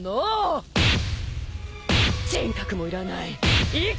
人格もいらない生き